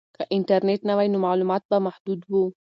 که انټرنیټ نه وای نو معلومات به محدود وو.